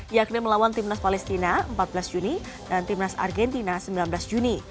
yakni melawan timnas palestina empat belas juni dan timnas argentina sembilan belas juni